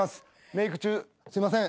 メーク中すいません。